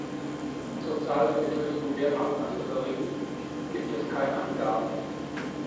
Zur Zahl der getöteten Wehrmachtsangehörigen gibt es keine Angaben.